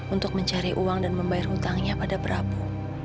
untuk mencari uang dan membayar hutangnya pada prabu